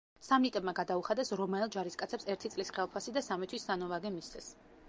სამნიტებმა გადაუხადეს რომაელ ჯარისკაცებს ერთი წლის ხელფასი და სამი თვის სანოვაგე მისცეს.